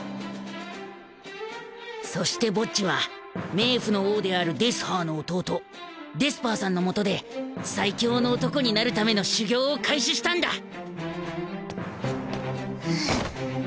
［そしてボッジは冥府の王であるデスハーの弟デスパーさんの元で最強の男になるための修行を開始したんだ］